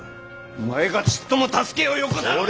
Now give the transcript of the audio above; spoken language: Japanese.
お前がちっとも助けをよこさんから！